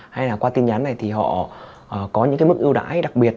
hay là qua tin nhắn này thì họ có những cái mức ưu đãi đặc biệt